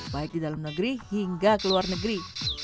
baik di dalam negeri hingga ke luar negeri